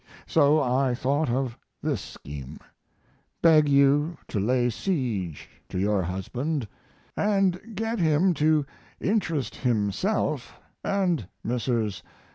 So I thought of this scheme: Beg you to lay siege to your husband & get him to interest himself and Messrs.